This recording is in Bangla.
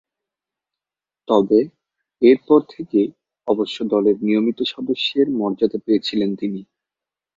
তবে, এরপর থেকে অবশ্য দলের নিয়মিত সদস্যের মর্যাদা পেয়েছিলেন তিনি।